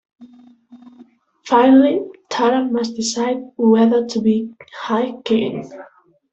Finally Taran must decide whether to be High King.